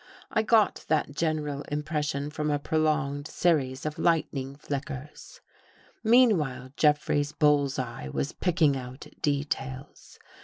I got that gen eral impression from a prolonged series of lightning flickers. Meanwhile, Jeffrey's bull's eye was picking out details.